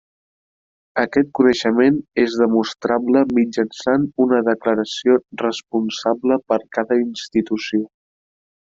Aquest coneixement és demostrable mitjançant una declaració responsable per cada institució.